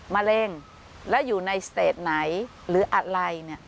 มะเร็งแล้วอยู่ในสเตจไหนหรืออะไร